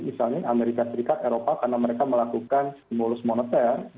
misalnya amerika serikat eropa karena mereka melakukan stimulus moneter